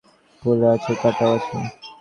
ফুলও আছে, কাঁটাও আছে।